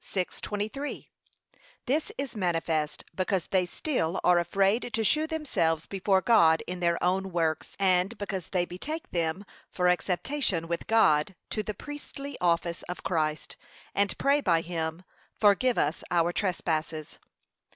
6:23) This is manifest, because they still are afraid to shew themselves before God in their own works, and because they betake them for acceptation with God, to the priestly office of Christ, and pray by him, 'forgive us our trespasses.'